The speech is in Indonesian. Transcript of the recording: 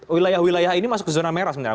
wilayah wilayah ini masuk ke zona merah sebenarnya